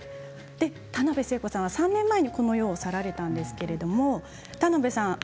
田辺聖子さんは３年前にこの世を去られたんですけども田辺さん